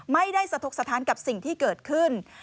ไม่ได้สะทกสถานกับสิ่งที่เกิดขึ้น